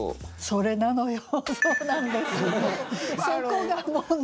それなのよ！